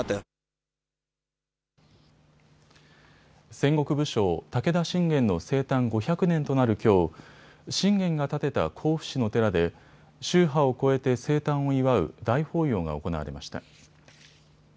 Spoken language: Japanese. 戦国武将、武田信玄の生誕５００年となるきょう、信玄が建てた甲府市の寺で宗派を超えて生誕を祝う大法要が行われました。